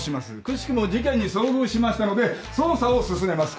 くしくも事件に遭遇しましたので捜査を進めます。